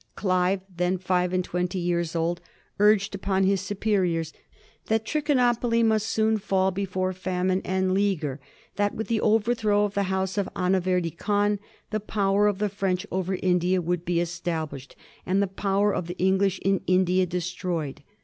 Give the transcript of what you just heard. Clive, then five and twenty years old, urged upon his superiors that Trichinopoly must soon fall before famine and leaguer, that with the overthrow of the House of Anaverdi Khan the power of the French over India would be established, and the power of the English in India destroyed.